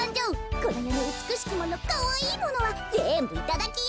このよのうつくしきものかわいいものはぜんぶいただきよ！